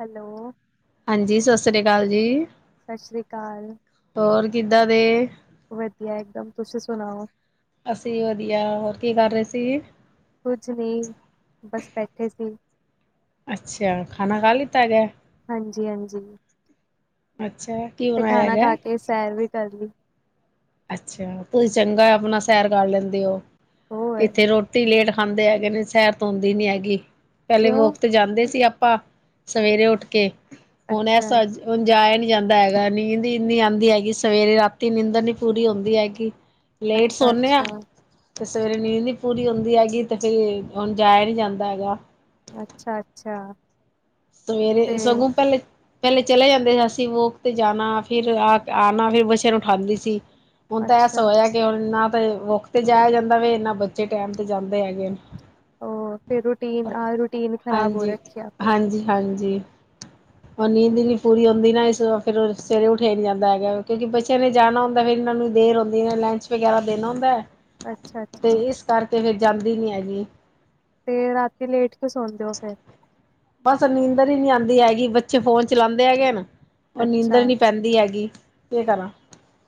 Hello. ਹਾਂਜੀ, ਸਤਿ ਸ੍ਰੀ ਅਕਾਲ ਜੀ। ਸਤਿ ਸ਼੍ਰੀ ਅਕਾਲ। ਹੋਰ ਕਿੱਦਾਂ ਦੇ, ਵਧੀਆ ਇੱਕਦਮ ਤੁਸੀਂ ਸੁਣਾਓ। ਅਸੀਂ ਵਧੀਆ ਹੋਰ ਕੀ ਕਰ ਰਹੇ ਸੀ? ਕੁੱਝ ਨਹੀਂ ਬਸ ਬੈਠੇ ਸੀ। ਅੱਛਾ ਖਾਣਾ ਖਾਹ ਲਿੱਤਾ ਹੈਗਾ। ਹਾਂਜੀ-ਹਾਂਜੀ। ਅੱਛਾ। ਕੀ ਤੇ ਬਣਾਇਆ ਖਾਣਾ ਗਿਆ ਖਾ ਕੇ ਸੈਰ ਵੀ ਕਰ ਲਈ, ਅੱਛਾ, ਤੁਸੀਂ ਚੰਗਾ ਆਪਣਾ ਸੈਰ ਕਰ ਲੈਂਦੇ ਹੋ, ਹੋਰ ਇੱਥੇ ਰੋਟੀ ਲੇਟ ਖਾਂਦੇ ਹੈਗੇ ਨੇ ਸੈਰ ਹੁੰਦੀ ਨੀ ਹੈਗੀ, ਪਹਿਲੇ ਕਿਉਂ ਵੋਕ ਤੇ ਜਾਂਦੇ ਸੀ ਆਪਾਂ ਸਵੇਰੇ ਉੱਠ ਕੇ, ਹੁਣ ਅੱਛਾ, ਐਜ ਹੁਣ ਜਾਇਆ ਨੀ ਜਾਂਦਾ ਹੈਗਾ ਨੀਂਦ ਇੰਨੀ ਆਂਦੀ ਹੈਗੀ ਸਵੇਰੇ ਰਾਤੀ ਨੀਂਦਰ ਨੀ, ਪੂਰੀ ਹੁੰਦੀ ਹੈਗੀ, ਲੇਟ ਸੌਨੇ ਆ। ਅੱਛਾ-ਅੱਛਾ, ਤੇ ਸਵੇਰੇ ਨੀਂਦ ਨੀ ਪੂਰੀ ਹੁੰਦੀ ਹੈਗੀ ਤੇ ਫਿਰ ਹੁਣ ਜਾਇਆ ਨਹੀਂ ਜਾਂਦਾ ਹੈਗਾ। ਅੱਛਾ-ਅੱਛਾ। ਸਵੇੇਰੇ ਤੇ ਸਗੋਂ ਪਹਿਲੇ, ਪਹਿਲੇ ਚਲੇ ਜਾਂਦੇ ਸੀ, ਅਸੀਂ ਵੋਕ ਤੇ ਜਾਣਾ ਫਿਰ ਆ ਕੇ ਆਣਾ ਫਿਰ ਬੱਚਿਆ ਨੂੰ ਉੱਠਾਦੀ ਸੀ। ਹੁਣ ਤਾਂ ਬਸ ਅੱਛਾ, ੲਿਹ ਕਿ ਹੁਣ ਨਾ ਤੇ ਵੋਕ ਤੇ ਜਾਇਆ ਜਾਂਦਾ ਵੇ ਨਾ ਬੱਚੇ ਟੈਮ ਤੇ ਜਾਂਦੇ ਹੈਗੇ ਨੇ। ਔਰ ਫਿਰ ਰੂਟੀਨ ਆਹ ਰੂਟੀਨ ਖ਼ਰਾਬ ਹੋ ਹਾਂਜੀ, ਰੱਖਿਆ ਫਿਰ। ਹਾਂਜੀ। ਹੁਣ ਨੀਂਦ ਹੀ ਨੀ ਪੂਰੀ ਹੁੰਦੀ ਨਾ ਇਸ ਫੇਰ ਸਵੇਰੇ ਉੱਠਿਆ ਨੀ ਜਾਂਦਾ ਹੈਗਾ ਕਿਉਂਕਿ ਬ ਚਲੋ ਜਾਣਾ ਹੁੰਦਾ ਫੇਰ ਇਹਨਾਂ ਨੂੰ ਦੇਰ ਹੋਦੀ ਲੰਚ ਵਗੈਰਾ ਦੇਣਾ ਹੁੰਦੈ। ਤੇ ਅੱਛਾ-ਅੱਛਾ ਇਸ ਕਰਕੇ ਫਿਰ ਜਾਂਦੀ ਨੀ ਹੈਗੀ। ਤੇ ਰਾਤੀ ਲੇਟ ਕਿਉਂ ਸੌਣਦੇ ਹੋ ਫੇਰ? ਬਸ ਨੀਂਦਰ ਹੀ ਨਹੀਂ ਆਉਂਦੀ ਹੈਗੀ ਬੱਚੇ ਫੋਨ ਚਲਾਉਂਦੇ ਹੈਗੇ ਹਨ। ਉਹ ਅੱਛਾ ਨੀਂਦਰ ਨੀ ਪੈਂਦੀ ਹੈਗੀ ਕਿ ਕਰਾਂ,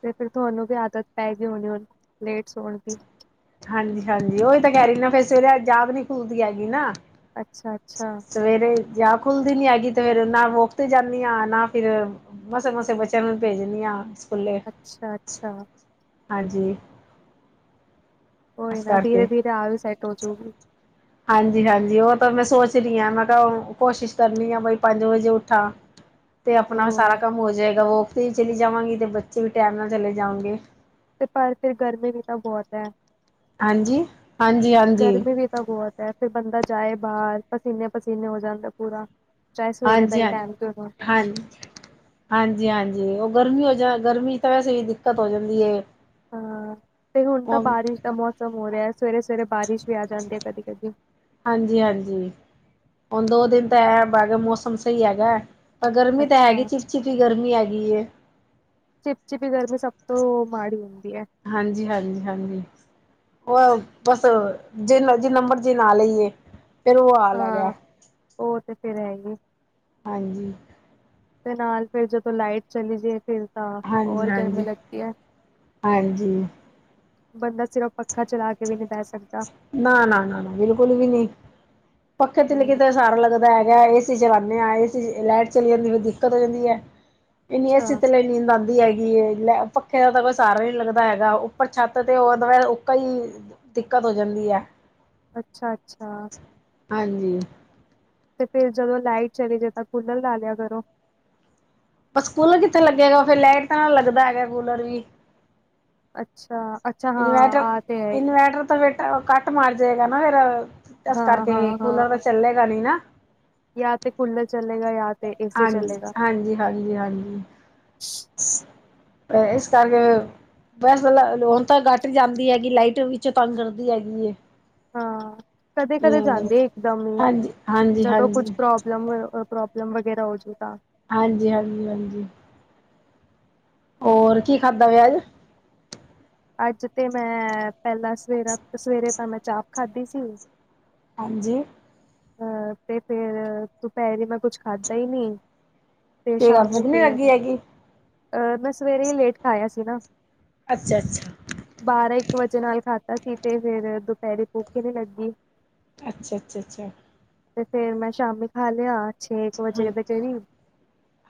ਤੇ ਫਿਰ ਤੁਹਾਨੂੰ ਵੀ ਆਦਤ ਪੈ ਗਈ ਹੋਣੀ ਹੁਣ ਲੇਟ ਸੌਣ ਦੀ, ਹਾਂਜੀ-ਹਾਂਜੀ, ਉਹੀ ਤਾਂ ਕਹਿ ਰਹੀ ਨਾ ਫੇਰ ਸਵੇਰੇ ਜਾਗ ਨੀ ਖੁੱਲਦੀ ਹੈਗੀ ਨਾ। ਅੱਛਾ-ਅੱਛਾ। ਸਵੇਰੇ ਜਾਗ ਖੁੱਲਦੀ ਨੀ ਹੈਗੀ ਤੇ ਫਿਰ ਨਾ ਵੋਕ ਤੇ ਜਾਂਦੀ ਹਾਂ ਨਾ ਫੇਰ, ਮਸੇ-ਮਸੇ ਬੱਚਿਆਂ ਨੂੰ ਭੇਜਦੀ ਹਾਂ ਸਕੂਲੇ, ਅੱਛਾ-ਅੱਛਾ ਹਾਂਜੀ। ਕੋਈ ਨਾ ਧੀਰੇ-ਧੀਰੇ ਆ ਵੀ ਸੈਟ ਹੋ ਜੁਗੀ। [inaudible] ਹਾਂਜੀ-ਹਾਂਜੀ, ਉਹ ਤਾਂ ਮੈਂ ਸੋਚ ਰਹੀ ਹਾਂ ਮੈਂ ਕਿਹਾ ਕੋਸ਼ਿਸ਼ ਕਰਨੀ ਆ ਬਈ ਪੰਜ ਵਜੇ ਉੱਠਾ। ਤੇ ਆਪਣਾ ਸਾਰਾ ਉਹ ਕੰਮ ਹੋ ਜਾਏਗਾ ਵੋਕ ਤੇ ਵੀ ਚੱਲੀ ਜਾਵਾਂਗੀ ਤੇ ਬੱਚੇ ਵੀ ਟਾਈਮ ਨਾਲ ਚਲੇ ਜਾਓਗੇ। ਤੇ ਪਰ ਫਿਰ ਗਰਮੀ ਵੀ ਤਾਂ ਬਹੁਤ ਹੈ। ਹਾਂਜੀ, ਹਾਂਜੀ-ਹਾਂਜੀ। ਤ ਬਹੁਤ ਹੈ ਫਿਰ ਬੰਦਾ ਜਾਏ ਬਾਹਰ ਪਸੀਨੇ-ਪਸੀਨੇ ਹੋ ਜਾਂਦੈ ਪੂਰਾ। ਚਾਹੇ ਸਵੇਰੇ ਦਾ ਹਾਂਜੀ, ਹੀ ਹਾਂ, ਟਾਈਮ ਕਿਉਂ ਨਾ ਹਾਂਜ ਹਾਂਜੀ-ਹਾਂਜੀ, ਉਹ ਗਰਮੀ ਹੋ ਜਾ ਗਰਮੀ ਚ ਤਾਂ ਵੈਸੇ ਵੀ ਦਿੱਕਤ ਹੋ ਜਾਂਦੀ ਏ‌। ਹਾਂ, ਤੇ ਹੁਣ ਤਾਂ ਬਾਰਿਸ਼ ਦਾ ਮੌਸਮ ਹੋ ਰਿਐ, ਸਵੇਰੇ-ਸਵੇਰੇ ਬਾਰਿਸ਼ ਵੀ ਆ ਜਾਂਦੀ ਐ, ਕਦੀ-ਕਦੀ। ਹਾਂਜੀ-ਹਾਂਜੀ, ਹੁਣ ਦੋ ਦਿਨ ਤਾਂ ਐ ਬਾਗੇ ਮੌਸਮ ਸਹੀ ਹੈਗੈ। ਪਰ ਗਰਮੀ ਤਾਂ ਹੈਗੀ, ਅੱਛਾ ਚਿਪਚਿਪੀ ਗਰਮੀ ਹੈਗੀ ਏ। ਚਿਪਚਿਪੀ ਗਰਮੀ ਸਭ ਤੋਂ ਮਾੜੀ ਹੁੰਦੀ ਐ। ਹਾਂਜੀ, ਹਾਂਜੀ, ਹਾਂਜੀ। ਉਹ ਬਸ ਜਿੰਨਾ-ਜਿੰਨਾ ਮਰਜੀ ਨਾ ਲਈਏ। ਫੇਰ ਉਹ ਆਲਗ ਐ, ਹਾਂ ਉਹ ਤੇ ਫਿਰ ਹੈ ਹੀ ਹਾਂਜੀ। ਤੇ ਨਾਲ ਫੇਰ ਜਦੋਂ ਲਾਈਟ ਚਲੀ ਜੇ। ਫਿਰ ਤਾਂ ਹਾਂਜੀ ਹੋਰ ਗਰਮੀ ਹਾਂਜੀ ਲਗਤੀ ਹੈ। ਹਾਂਜੀ ਬੰਦਾ ਸਿਰਫ ਪੱਖਾ ਚਲਾ ਕੇ ਵੀ ਨੀ ਬਹਿ ਸਕ ਨਾ-ਨਾ, ਨਾ-ਨਾ ਬਿਲਕੁਲ ਵੀ ਨੀ, ਪੱਖੇ ਤਿਲਕਿ ਹਮ ਤਰ ਡਰ ਲੱਗਦਾ ਹੈਗਾ, ਏਸੀ ਚਲਾਣੇ ਆ, ਏਸੀ 'ਚ ਏ ਲਾਈਟ ਚਲੀ ਜਾਂਦੀ ਫੇਰ ਦਿੱਕਤ ਹੋ ਜਾਂਦੀ ਐ। ਇੰਨੀ ਏਸੀ ਅੱਛਾ ਤੇ ਲਈ ਨੀਂਦ ਆਉਂਦੀ ਹੈਗੀ ਏ, ਲੈ ਪੱਖੇ ਦਾ, ਤਾਂ ਕੋਈ ਸਹਾਰਾ ਨੀ ਲੱਗਦਾ ਹੈਗਾ, ਉੱਪਰ ਛੱਤ ਤੇ ਓਹ ਦਵੈਰ ਉਕਾ ਈ ਬ ਦਿੱਕਤ ਹੋ ਜਾਂਦੀ ਐ। ਅੱਛਾ, ਅੱਛਾ। ਹਾਂਜੀ। ਤੇ ਫਿਰ ਜਦੋਂ ਲਾਈਟ ਚਲੀ ਜੇ, ਤਾਂ ਕੂਲਰ ਲਾ ਲਿਆ ਕਰੋ। ਬਸ ਕੂਲਰ ਕਿੱਥੇ ਲੱਗੇਗਾ, ਫਿਰ ਲਾਈਟ ਤਾਂ ਨਾਲ ਲੱਗਦਾ ਹੈਗਾ ਕੂਲਰ ਵੀ। ਅੱਛਾ, ਅੱਛਾ ਹਾਂ, ਆ ਤੇ ਹੈ ਈ ਏ। ਬੈਟਰ ਤਾਂ ਬੇਟਾ ਕੱਟ ਮਾਰ ਜਾਏਗਾ ਨਾ ਫੇਰ, ਤੇ ਐਸ ਹਾਂ, ਕਰਕੇ ਵੀ ਹਾਂ, ਕੂਲਰ ਤਾਂ ਹਾਂ ਚੱਲੇਗਾ ਨੀ ਨਾ। ਯਾ ਤੇ ਕੂਲਰ ਚਲੇਗਾ, ਯਾ ਤੇ ਏਸੀ ਚੱਲੇਗਾ। ਹਾਂਜ-ਹਾਂਜੀ, ਹਾਂਜੀ, ਹਾਂਜੀ। ਸ ਇਸ ਕਰਕੇ ਬਸ ਵਲਾ ਹਲੇ ਹੁਣ ਤਾਂ ਘੱਟ ਜਾਂਦੀ ਹੈਗੀ, ਲਾਈਟ ਵਿੱਚ ਤੰਗ ਕਰਦੀ ਹੈਗੀ ਏ। ਹਾਂ, ਕਦੇ- ਹੂੰ, ਕਦੇ ਜਾਂਦੀ ਇਕਦਮ, ਹਾਂਜੀ, ਹਾਂਜੀ, ਜਦੋਂ ਕੁੱਝ ਹਾਂਜੀ, ਪ੍ਰੋਬਲਮ ਪ੍ਰੋਬ ਮ ਵਗੈਰਾ ਹੋ ਜੋੂ ਤ ਹਾਂਜੀ- ਹਾਂਜੀ- ਹਾਂਜੀ ਹਾਂ, ਹੋਰ, ਕੀ ਖਾਧਾ ਫਿਰ ਅੱਜ ਅੱਜ ਤੇ ਮੈਂ, ਪਹਿਲਾਂ ਸਵੇਰ, ਸਵੇਰੇ ਤਾਂ ਮੈਂ ਚਾਪ ਖਾਧੀ ਸੀ ਹਾਂਜੀ ਅਹ, ਤੇ ਫੇਰ, ਦੁਪਹਿਰੀ ਮੈਂ ਕੁੱਛ ਖਾਧਾ ਹੀ ਨੀ ਤੇ ਤੇਰਾ ਸ਼ਾਮੀ ਭੁੱਖ ਨੀ ਫਿਰ, ਲੱਗੀ ਹੈਗੀ? ਅਹ ਮੈਂ ਸਵੇਰੇ ਹੀ ਲੇਟ ਖਾਇਆ ਸੀ ਨਾ ਅੱਛਾ, ਅੱਛਾ। ਬਾਰਾਂ ਇੱਕ ਵਜੇ ਨਾਲ ਖਾਧਾ ਸੀ ਤੇ ਫੇਰ, ਦੁਪਹਿਰੇ ਭੁੱਖ ਈ ਨੀ ਲੱਗੀ। ਅੱਛਾ, ਅੱਛਾ, ਅੱਛਾ। ਤੇ ਫੇਰ ਮੈਂ ਸ਼ਾਮੀ ਖਾ ਲਿਆ, ਛੇ ਹਾਂ ਵਜੇ ਦੇ ਕਰੀਬ।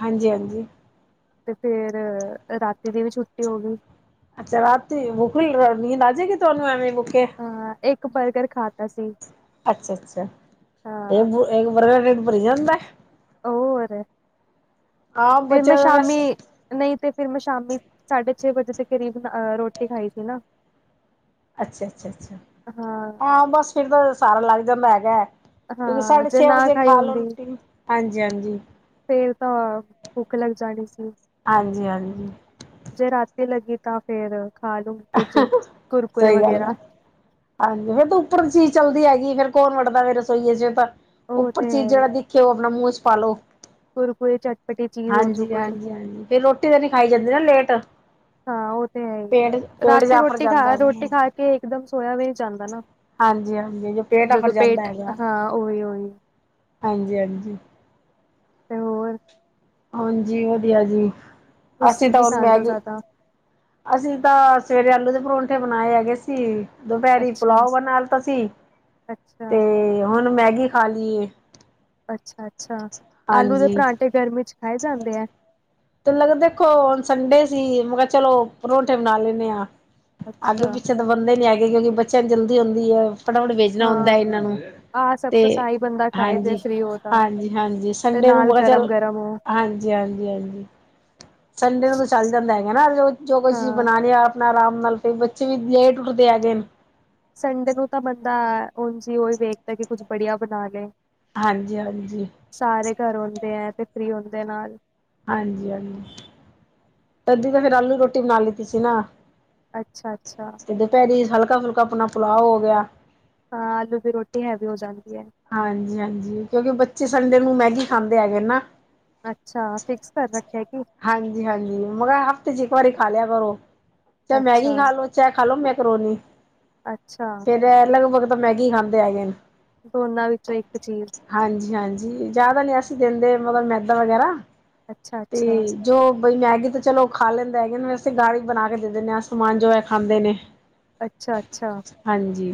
ਹਾਂਜੀ ਹਾਂਜੀ। ਤੇ ਫੇਰ, ਰਾਤੀ ਦੀ ਵੀ ਛੁੱਟੀ ਹੋ ਗਈ। ਅੱਛਾ ਰਾਤੀ, ਬੁਖ ਰੀਲ ਨੀਂਦ ਆ ਜਾਏਗੀ, ਤੁਹਾਨੂੰ ਐਵੇਂ ਭੁੱਖੇ। ਹਾਂ, ਇੱਕ ਬਰਗਰ ਖਾਦਾ ਸੀ। ਅੱਛਾ -ਅੱਛਾ, ਏਕ ਹਾਂ ਬੁਰ ਏਕ ਬਰਗਰ ਟਿਡ ਭਰ ਜਾਂਦਾ? ਹੋਰ ਆਪ ਫੇਰ ਮੈਂ ਬਚਿਆਂ ਦਾ ਸ਼ਾਮੀ ਵੈਸ ਨਹੀਂ ਤੇ ਫਿਰ ਮੈਂ ਸ਼ਾਮੀ, ਸਾਢੇ ਛੇ ਵਜੇ ਦੇ ਕਰੀਬ ਅ ਰੋਟੀ ਖਾਈ ਸੀ ਨਾ। ਅੱਛਾ, ਅੱਛਾ, ਅੱਛਾ, ਹਾਂ ਬਸ ਫਿਰ, ਸਾਰਾ ਲੱਗ ਜਾਂਦਾ ਹੈਗਾ। ਕਿਉਂਕਿ ਹਾਂ ਸਾਡੇ ਜੇ ਛੇ ਨਾ ਵਜੇ ਖਾਈ ਖਾ ਲਓ ਹੁੰਦੀ ਰੋਟੀ। ਹਾਂਜੀ, ਹਾਂਜੀ। ਫੇਰ ਤਾਂ ਭੁੱਖ ਲੱਗ ਜਾਣੀ ਸੀ। ਹਾਂਜੀ ਹਾਂਜੀ, ਜੇ ਰਾਤੀ ਲੱਗੀ ਤਾਂ ਫੇਰ, ਖਾ ਲਵੋ ਕੁੱਝ, ਕੁਰਕੁਰੇ ਸਹੀ ਗੱਲ ਵਗੈਰਾ। ਹੈ। ਹਾਂਜੀ, ਫਿਰ ਤੇ ਉੱਪਰ ਚੀਜ਼ ਚੱਲਦੀ ਹੈਗੀ ਏ, ਫਿਰ ਕੌਣ ਵੱਡਦਾ ਵੇ ਰਸੋਈ ਏਹ ਤਾਂ ਉਹ ਉੱਪਰ ਤੇ ਚੀਜ਼ ਹੈ ਹੀ ਜਿਹੜਾ ਦੇਖੇ, ਉਹ ਆਪਣਾ ਮੂੰਹ 'ਚ ਪਾਲੋ ਕੁਰਕੁਰੇ, ਚਟਪਟੀ ਚੀਜ਼ ਹੋਜੂ ਕੋਈ ਫਿਰ ਰੋਟੀ ਤਾਂ ਨੀ ਖਾਈ ਜਾਂਦੀ ਨਾ ਲੇਟ ਹਾਂ ਉਹ ਤੇ ਹੈ ਹੀ ਪੇਟ ਏ, ਪੇਟ ਰਾਤੀ ਜਾਫਰ ਰੋਟੀ ਖਾ ਜਾਂਦਾ ਹੈਗਾ ਰੋਟੀ ਖਾ ਕੇ ਇੱਕਦਮ ਸੋਇਆ ਵੀ ਜਾਂਦਾ ਨਾ ਹਾਂਜੀ- ਹਾਂਜੀ ਪੇਟ ਅਫਰ ਜਦੋਂ ਜਾਂਦਾ ਪੇਟ ਹੈਗਾ, ਹਾਂ ਉਹੀ ਉਹੀ ਹਾਂਜੀ -ਹਾਂਜੀ ਤੇ ਹੋਰ ਹਾਂਜੀ ਵਧੀਆ ਜੀ, ਅਸੀਂ ਤੁਸੀਂ ਤਾਂ ਕੀ ਹੁਣ ਖਾਂਦੇ ਹੋ ਮੈਂਗ ਜ਼ਿਆਦਾ ਅਸੀਂ ਤਾਂ, ਸਵੇਰੇ ਆਲੂ ਦੇ ਪਰੋਂਠੇ ਬਣਾਏ ਹੈਗੇ ਸੀ ਦੁਪਹਿਰੀ ਅੱਛਾ ਪੁੁਲਾਓ ਬਣਾ ਲਿਤਾ ਸੀ, ਤੇ ਅੱਛਾ ਹੁਣ ਮੈਗੀ ਖਾ ਲਈਏ ਅੱਛਾ -ਅੱਛਾ, ਆਲੂ ਦੇ ਹਾਂਜੀ ਪਰਾਂਠੇ ਗਰਮੀ 'ਚ ਖਾਏ ਜਾਂਦੇ ਆ ਤੇ ਲੱਗ ਦੇਖੋ, ਹੁਣ ਸੰਡੇ ਸੀ ਮੈਂ ਕਿਹਾ ਚਲੋ ਪਰੋਂਠੇ ਬਣਾ ਲੈਂਦੇ ਹਾਂ, ਅੱਗੇ ਅੱਛਾ -ਪਿੱਛੇ ਬਣਦੇ ਨੀ ਹੈਗੇ ਕਿਉਂਕਿ ਬੱਚਿਆਂ ਨੂੰ ਜਲਦੀ ਹੁੰਦੀ ਐ, ਫਟਾਫਟ ਵੇਚਣਾ ਹੁੰਦਾ ਹਾਂ ਇਹਨਾਂ ਨੂੰ। ਆਹ ਸਭ ਤੇ ਤੋਂ ਤਾਂ ਹੀ ਬੰਦਾ ਖਾਏ ਜੇ ਫ੍ਰਰੀ ਹੋ ਤਾਂ ਹਾਂਜੀ-ਹਾਂਜੀ-ਹਾਂਜੀ, ਤੇ ਸੰਡੇ ਨੂੰ ਨਾਲ ਮੈਂ ਕਿਹਾ ਗਰਮ ਚੱਲ ਗਰਮ ਹੋ ਹਾਂਜੀ ਜੀ ਹਾਂਜੀ-ਹਾਂਜੀ, ਸੰਡੇ ਨੂੰ ਤਾਂ ਚੱਲ ਜਾਂਦਾ ਹੈਗਾ ਨਾ, ਜੋ ਕੋਈ ਚੀਜ਼ ਹਾਂ ਬਣਾ ਲਿਆ ਆਪ ਆਰਾਮ ਨਾਲ, ਤੇ ਬੱਚੇ ਵੀ ਲੇਟ ਉੱਠਦੇ ਹੈਗੇ ਨੇ। ਸੰਡੇ ਨੂੰ ਤਾਂ ਬੰਦਾ ਉਂਜ ਈ ਉਹੀ ਵੇਖਦਾ, ਕਿ ਕੁੱਝ ਬੜੀਆ ਬਣਾ ਲੇ। ਹਾਂਜੀ-ਹਾਂਜੀ। ਸਾਰੇ ਘਰ ਹੁੰਦੇ ਐ, ਤੇ ਫਰੀ ਹੁੰਦੇ ਆ ਨਾਲ। ਹਾਂਜੀ-ਹਾਂਜੀ। ਅੱਧੀ ਤਾਂ ਫੇਰ ਆਲੂ ਰੋਟੀ ਬਣਾ ਲਿੱਤੀ ਸੀ ਨਾ। ਅੱਛਾ-ਅੱਛਾ। ਪੈਰੀ ਹਲਕਾ ਫੁਲਕਾ ਆਪਣਾ ਪੁੁਲਾਹ ਹੋ ਗਿਆ। ਹਾਂ, ਆਲੂ ਦੀ ਰੋਟੀ ਹੈਵੀ ਹੋ ਜਾਂਦੀ ਐ। ਹਾਂਜੀ-ਹਾਂਜੀ, ਕਿਉਂਕਿ ਬੱਚੇ ਸੰਡੇ ਨੂੰ ਮੈਗੀ ਖਾਂਦੇ ਹੈਗੇ ਨਾ। ਅੱਛਾ, ਫਿਕਸ ਕਰ ਰੱਖਿਆ ਕੀ। ਹਾਂਜੀ-ਹਾਂਜੀ, ਮਗਰ ਹਫ਼ਤੇ ਚ ਇੱਕ ਵਾਰੀ ਖਾ ਲਿਆ ਕਰੋ, ਚਾਹੇ ਅੱਛਾ, ਮੈਗੀ ਖਾ ਲੋ ਚਾਹੇ ਖਾ ਲੋ ਮੈਕਰੋਨੀ। ਅੱਛਾ। ਖੈਰ ਲਗਭਗ ਤਾਂ ਮੈਗੀ ਖਾਂਦੇ ਹੈਗੇ ਨੇ। ਦੋਨਾਂ ਵਿੱਚੋਂ ਇੱਕ ਚੀਜ਼। ਹਾਂਜੀ-ਹਾਂਜੀ, ਜ਼ਿਆਦਾ ਨੀ ਅਸੀਂ ਦਿੰਦੇ ਮਤਲਬ ਮੈਦਾ ਵਗੈਰਾ, ਅੱਛਾ, ਅੱਛਾ, ਤੇ ਜੋ ਬਈ ਮੈਗੀ ਤਾਂ ਚਲੋਂ ਖਾ ਲੈਂਦੇ ਹੈਗੇ ਨੇ, ਵੈਸੇ ਘਰ ਹੀ ਬਣਾ ਕੇ ਦੇ ਦਿੰਦੇ ਐ ਆ ਸਮਾਨ, ਜੋ ਐਹ ਖਾਂਦੇ ਨੇ। ਅੱਛਾ, ਅੱਛਾ। ਹਾਂਜੀ,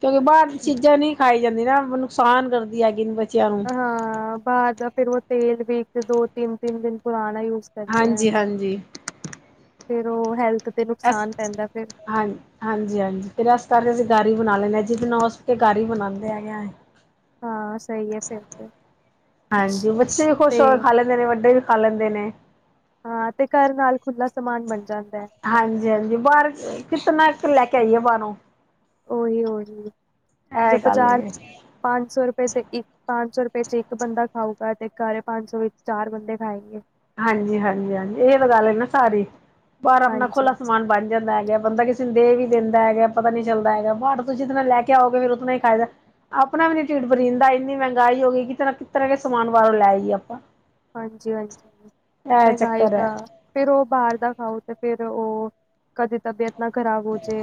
ਕਿਉਂਕਿ ਬਾਹਰ ਦੀ ਚੀਜ਼ਾਂ ਨਈ ਖਾਈ ਜਾਂਦੀ ਨਾ, ਨੁਕਸਾਨ ਕਰਦੀ ਹੈਗੀ ਨੇ ਬੱਚਿਆਂ ਨੂੰ। ਹਾਂ, ਬਾਹਰ ਦਾ ਫੇਰ ਉਹ ਤੇਲ ਵੀ ਇਕ, ਦੋ ਤਿੰਨ-ਤਿੰਨ ਦਿਨ ਪੁਰਾਣਾ ਯੂਜ ਕਰਦੇ ਐ, ਹਾਂਜੀ-ਹਾਂਜੀ ਫੇਰ ਉਹ ਹੈਲਥ ਤੇ ਨੁਕਸਾਨ ਪੈਂਦਾ ਫੇਰ। ਹਾਂਜੀ-ਹਾਂਜੀ, ਫਿਰ ਇਸ ਕਰਕੇ ਅਸੀਂ ਗਰ ਈ ਬਣਾ ਲੈਂਦੇ ਆਂ ਜਿਤਨਾ ਹੋ ਕੇ ਸਕੇ ਗਰ ਈ ਬਣਾਂਦੇ ਹੈਗੇ ਆਂ। ਹਾਂ ਸਹੀ ਹੈ ਫਿਰ ਤੇ ਹਾਂਜੀ ਬੱਚੇ ਵੀ ਖੁਸ਼ ਤੇ ਹੋ ਕੇ ਖਾ ਲੈਂਦੇ ਨੇ, ਵੱਡੇ ਵੀ ਖਾ ਲੈਂਦੇ ਨੇ। ਹਾਂ, ਤੇ ਘਰ ਨਾਲ ਖੁੱਲਾ ਸਮਾਨ ਬਣ ਜਾਂਦਾ। ਹੈ ਹਾਂਜੀ-ਹਾਂਜੀ, ਬਾਹਰ ਕਿਤਨਾ ਕ ਲੈ ਕੇ ਆਈਏ ਬਾਹਰੋਂ। ਓਹੀ-ਓਹੀ ਜੇ ਇਹ ਗੱਲ ਬਾਜ਼ਾਰ ਏ ਪੰਜ ਸੌ ਰੁਪਏ ਤੇ ਇੱਕ ਪੰਜ ਸੌ ਰੁਪਏ ਚ ਇੱਕ ਬੰਦਾ ਖਾਊਗਾ, ਤੇ ਘਰੇ ਪੰਜ ਸੌ ਵਿੱਚ ਚਾਰ ਬੰਦੇ ਖਾਏਗੇਂ। ਹਾਂਜੀ-ਹਾਂਜੀ-ਹਾਂਜੀ ਇਹ ਵਾਲੀ ਗੱਲ ਏ ਨਾ ਸਾਰੀ, ਬਾਹਰ ਆਪਣਾ ਹਾਂਜੀ ਖੁੱਲਾ ਸਮਾਨ ਬਣ ਜਾਂਦਾ ਹੈਗਾ, ਬੰਦਾ ਕਿਸੇ ਨੂੰ ਦੇ ਵੀ ਦਿੰਦਾ ਹੈਗਾ ਪਤਾ ਨੀ ਚੱਲਦਾ ਹੈਗਾ, ਬਾਹਰੋਂ ਤੁਸੀਂ ਜਿਤਨਾ ਲੈ ਕੇ ਆਓਗੇ ਫਿਰ ਉਤਨਾ ਹੀ ਖਾਈਦਾ। ਆਪਣਾ ਵੀ ਨੀ ਢੀਡ ਭਰੀਂਦਾ, ਇੰਨੀ ਮਹਿੰਗਾਈ ਹੋ ਗਈ ਕਿ ਕਿਤਰ੍ਹਾਂ-ਕਿਤਰ੍ਹਾਂ ਸਮਾਨ ਬਾਹਰੋਂ ਲੈ ਆਈਏ ਆਪਾਂ। ਹਾਂਜੀ-ਹਾਂਜੀ, ਇਹ ਮਹਿੰਗਾਈ ਚੱਕਰ ਤਾਂ ਹੈ ਫਿਰ ਉਹ ਬਾਹਰ ਦਾ ਖਾਓ, ਤੇ ਫਿਰ ਉਹ ਕਦੇ ਤਬੀਅਤ ਨਾ ਖ਼ਰਾਬ ਹੋ ਜੇ।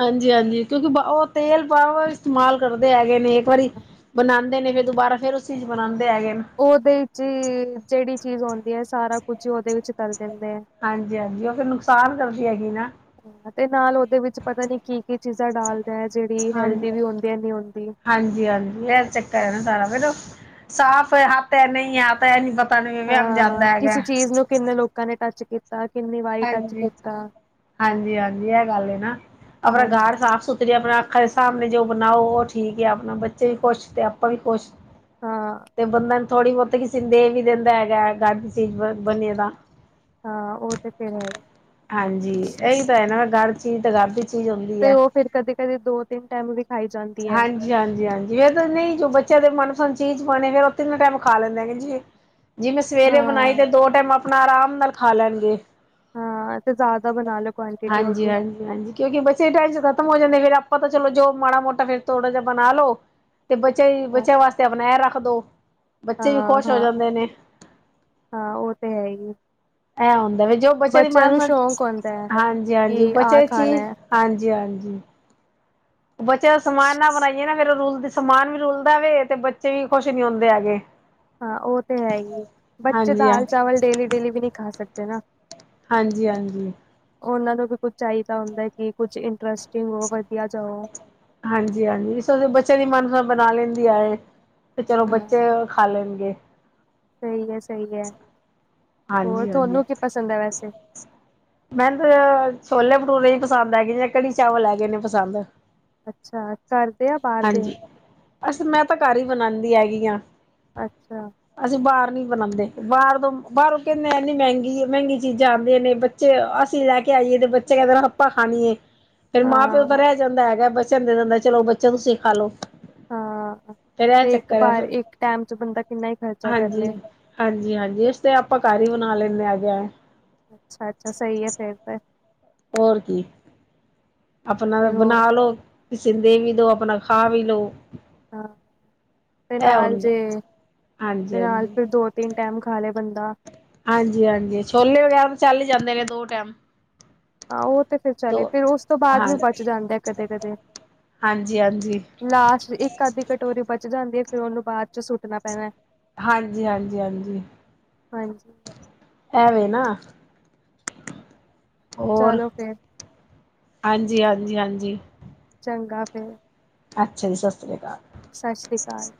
ਹਾਂਜੀ-ਹਾਂਜੀ ਕਿਉਂਕਿ ਉਹ ਤੇਲ ਬ ਇਸਤੇਮਾਲ ਕਰਦੇ ਹੈਗੇ ਨੇ, ਇੱਕ ਵਾਰੀ ਬਣਾਂਦੇ ਨੇ, ਫਿਰ ਦੁਬਾਰਾ ਫੇਰ ਉਸੀ ਚ ਬਣਾਂਦੇ ਹੈਗੇ ਨੇ। ਉਹਦੇ ਚ ਜਿਹੜੀ ਚੀਜ਼ ਆਉਂਦੀ ਐ, ਸਾਰਾ ਕੁਝ ਉਹਦੇ ਵਿੱਚ ਈ ਤਲ ਦਿੰਦੇ ਐ। ਹਾਂਜੀ-ਹਾਂਜੀ, ਉਹ ਫਿਰ ਨੁਕਸਾਨ ਕਰਦੀ ਹੈਗੀ ਨਾ। ਤੇ ਨਾਲ ਉਹਦੇ ਵਿੱਚ ਪਤਾ ਨੀ ਕੀ-ਕੀ ਚੀਜ਼ਾਂ ਡਾਲਦਾ ਐ, ਜਿਹੜੀ ਹਾਂਜੀ ਹੈਲਦੀ ਵੀ ਹੁੰਦੀ ਐ ਨਹੀਂ ਹੁੰਦੀ। ਹਾਂਜੀ-ਹਾਂਜੀ, ਇਹ ਚੱਕਰ ਐ ਨਾ ਸਾਰਾ, ਵੇਖੋ ਸਾਫ਼ ਹੱਥ ਹੈ ਨਈ ਐ, ਇਹ ਨੀ ਨੀ ਵਹਿਮ ਹਾਂ, ਜਾਂਦਾ ਹੈਗਾ ਕਿਸੇ ਚੀਜ਼ ਨੂੰ ਕਿੰਨੇ ਲੋਕਾਂ ਨੇ ਟੱਚ ਕੀਤਾ, ਕਿੰਨੀ ਵਾਰੀ ਟੱਚ ਕੀਤਾ। ਹਾਂਜੀ-ਹਾਂਜੀ-ਹਾਂਜੀ, ਇਹ ਗੱਲ ਐ ਨਾ, ਆਪਣਾ ਘਰ ਹਾਂਜੀ ਸਾਫ਼ ਸੁਥਰੀ ਆਪਣਾ ਅੱਖਾਂ ਦੇ ਸਾਮਣੇ ਜੋ ਬਣਾਓ ਉਹ ਠੀਕ ਐ, ਆਪਣਾ ਬੱਚੇ ਵੀ ਖੁਸ਼ ਤੇ ਆਪਾਂ ਵੀ ਖੁਸ਼। ਹਾਂ ਤੇ ਬੰਦਾ ਨੂੰ ਥੋੜ੍ਹੀ ਬਹੁਤੀ ਕਿਸੀ ਨੂੰ ਦੇ ਵੀ ਦਿੰਦਾ ਹੈਗਾ, ਗਰ ਦੀ ਚੀਜ਼ ਬਣੀ ਐ ਤਾਂ। ਹਾਂ, ਉਹ ਤੇ ਫੇਰ ਹੈ ਈ। ਹਾਂਜੀ, ਇਹੀ ਤਾਂ ਹੈ ਨਾ, ਗਰ ਚੀਜ਼ ਗਰ ਦੀ ਚੀਜ਼ ਹੁੰਦੀ ਤੇ ਐ। ਉਹ ਫੇਰ ਕਦੇ-ਕਦੇ ਦੋ ਤਿੰਨ ਟਾਈਮ ਵੀ ਖਾਈ ਜਾਂਦੀ ਹੈ ਹਾਂਜ ਜੀ ਹਾਂਜੀ ਇਹ ਤਾਂ ਨਹੀਂ ਜੋ ਬੱਚਿਆਂ ਦੇ ਮਨਪਸੰਦ ਚੀਜ਼ ਬਣੇ ਫੇਰ, ਉਹ ਤਿੰਨ ਟਾਈਮ ਖਾ ਲੈਂਦਾ ਜੀ। ਜਿਵੇੈਂ ਸਵੇਰੇ ਬਣਾਈ ਹਾਂ। ਤੇ ਦੋ ਟਾਈਮ ਆਪਣਾ ਆਰਾਮ ਨਾਲ ਖਾ ਲੈਣਗੇ। ਹਾ ਤੇ ਜ਼ਿਆਦਾ ਬਣਾ ਲੋ ਕੁਆਂਟਿਟੀ ਹਾਂਜੀ ਉਹਦੀ। ਹਾਂਜੀ ਹਾਂਜੀ ਕਿਉਂਕਿ ਬੱਚੇ ਦੇ ਟੈਨਸ਼ਨ 'ਚ ਖਤਮ ਹੋ ਜਾਂਦੇ, ਫੇਰ ਆਪਾਂ ਤਾਂ ਚਲੋਂ ਜੋ ਮਾੜਾ ਮੋਟਾ ਫੇਰ ਥੋੜ੍ਹਾ ਜਿਹਾ ਬਣਾ ਲੋ। ਤੇ ਬੱਚੇ ਵੀ ਹਾਂ ਬੱਚਿਆਂ ਵਾਸਤੇ ਆਪਣਾ ਏ ਰੱਖ ਦੋ, ਬੱਚੇ ਵੀ ਖੁਸ਼ ਹੋ ਹਾਂ। ਜਾਂਦੇ ਨੇ। ਹਾਂ ਉਹ ਤੇ ਹੈ ਹੀ ਐ। ਐ ਹੁੰਦਾ ਵੇ, ਜੋ ਬੱਚਿਆਂ ਦੀ ਮਨ ਸ਼ੌਕ ਪਸੰਦ ਹੁੰਦਾ ਹੈ ਹਾਂਜੀ ਹਾਂਜੀ ਕਿ ਬੱਚੇ ਆਹ ਦੀ ਖਾਣਾ ਚੀਜ਼ ਹੈ ਹਾਂਜੀ ਹਾਂਜੀ। ਬੱਚਿਆਂ ਦਾ ਸਮਾਨ ਨਾ ਬਣਾਈਏ ਨਾ, ਫੇਰ ਰੁਲਦਾ ਸਮਾਨ ਵੀ ਰੁਲਦਾ ਵੇ ਤੇ ਬੱਚੇ ਵੀ ਖੁਸ਼ ਨੀ ਹੁੰਦੇ ਹੈਗੇ। ਹਾਂ ਉਹ ਤੇ ਹੈ ਹੀ ਐ, ਬੱਚੇ ਹਾਂਜੀ ਹਾਂ, ਦਾਲ ਚਾਵਲ ਡੇਲੀ ਡੇਲੀ ਵੀ ਨਹੀਂ ਖਾ ਸਕਦੇ ਨਾ। ਹਾਂਜੀ ਹਾਂਜੀ। ਉਹਨਾਂ ਨੂੰ ਵੀ ਕੁਛ ਚਾਹੀਦਾ ਹੁੰਦਾ ਐ, ਕਿ ਕੁਛ ਇੰਟਰਸਟਿੰਗ ਹੋ ਵਧੀਆ ਜਾ ਓ। ਹਾਂਜੀ ਹਾਂਜੀ, ਇਸ ਵਾਸਤੇ ਬੱਚਿਆਂ ਦੀ ਮਨ ਬਣਾ ਲੈਂਦੀ ਆ। ਤੇ ਚਲੋਂ ਹਾਂ ਬੱਚੇ ਖਾ ਲੈਣਗੇ। ਸਹੀ ਐ ਸਹੀ ਐ, ਹੋਰ ਹਾਂਜੀ ਹਾਂਜੀ ਤੁਹਾਨੂੰ ਕੀ ਪਸੰਦ ਐ ਵੈਸੇ? ਮੈਨੂੰ ਤੇ ਛੋਲੇ ਭਟੂਰੇ ਹੀ ਪਸੰਦ ਹੈਗੀ ਜੇ ਕੜੀ ਚਾਵਲ ਹੈਗੇ ਨੇ ਪਸੰਦ। ਅੱਛਾ, ਘਰ ਦੇ ਜ ਬਾਹਰ ਦੇ। ਅਸੀ ਮੈਂ ਤਾਂ ਘਰ ਹੀ ਬਣਾਉਂਦੀ ਹੈਗੀ ਆ। ਅੱਛਾ। ਅਸੀਂ ਬਾਹਰ ਨੀ ਬਣਾਉਂਦੇ, ਬਾਹਰ ਤੋਂ ਬਾਹਰੋਂ ਕਹਿੰਦੇ ਆਨੀ ਮਹਿੰਗੀ- ਮਹਿੰਗੀ ਚੀਜ਼ਾਂ ਆਉਂਦੀਆਂ ਨੇ, ਅਸੀਂ ਲੈ ਕੇ ਆਈਏ ਤੇ ਬੱਚੇ ਕਦੇ ਅਪਾ ਖਾਣੀਏ। ਫੇਿਰ ਮਾਂ ਪਿਓ ਤਾਂ ਹਾਂ ਰਹਿ ਜਾਂਦਾ ਹੈਗਾ ਬਚਿਆ ਦੇ ਦਿੰਦਾ, ਚਲੋ ਬੱਚਿੳ ਤੁਸੀ ਖਾ ਲੋ। ਹਾਂ ਤੇ ਇੱਕ ਬਾਰ ਇੱਕ ਟੈਮ ਚ ਬੰਦਾ ਕਿੰਨਾ ਹੀ ਖਰਚਾ ਕਰ ਹਾਂਜੀ ਲਏ। ਹਾਂਜੀ ਹਾਂਜੀ, ਇਸ ਤੇ ਆਪਾਂ ਘਰ ਹੀ ਬਣਾ ਲੈਂਦੇ ਹੈਗੇ। ਅੱਛਾ ਅੱਛਾ, ਸਹੀ ਐ ਫੇਰ ਤੇ। ਹੋਰ ਕੀ ਆਪਣਾ ਤੇ ਬਣਾ ਹੋਰ ਲਓ, ਕਿਸੇ ਦੇ ਵੀ ਦੋ ਆਪਣਾ ਖਾ ਵੀ ਲਓ। ਹਾਂ, ਤੇ ਇਹ ਨਾਲ ਹੁੰਦਾ ਜੇ ਤੇ ਹਾਂਜੀ ਨਾਲ ਹਾਂਜੀ ਫਿਰ ਦੋ ਤਿੰਨ ਟਾਈਮ ਖਾ ਲੇ ਬੰਦਾ। ਹਾਂਜੀ ਹਾਂਜੀ, ਛੋਲੇ ਵਗੈਰਾ ਤਾਂ ਚੱਲ ਹੀ ਜਾਂਦੇ ਨੇ ਦੋ ਟਾਈਮ। ਹਾਂ ਉਹ ਤੇ ਫਿਰ ਚੱਲੇ, ਦੋ ਫਿਰ ਉਸ ਤੋਂ ਬਾਅਦ ਹਾਂ ਵੀ ਬਚ ਜਾਂਦਾ ਕਦੇ ਕਦੇ। ਹਾਂਜੀ ਹਾਂਜੀ ਲਾਸਟ ਇੱਕ ਅੱਧੀ ਕਟੋਰੀ ਬਚ ਜਾਂਦੀ ਐ, ਫ਼ਿਰ ਉਹਨੂੰ ਬਾਅਦ ਚ ਸੁੱਟਣਾ ਪੈਣਾ। ਹਾਂਜੀ ਹਾਂਜੀ ਹਾਂਜੀ। ਹਾਂਜੀ। ਐਵੇ ਨਾ। ਹੋਰ, ਚਲੋ ਫਿਰ ਹਾਂਜੀ ਹਾਂਜੀ ਹਾਂਜੀ। ਚੰਗਾ ਫੇਰ ਅੱਛਾ ਜੀ, ਸਤਿ ਸ੍ਰੀ ਅਕਾਲ। ਸਤਿ ਸ਼੍ਰੀ ਅਕਾਲ।